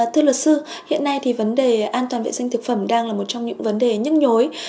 thưa luật sư hiện nay thì vấn đề an toàn vệ sinh thực phẩm đang là một trong những vấn đề nhức nhối